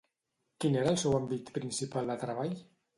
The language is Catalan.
Quin era el seu àmbit principal de treball?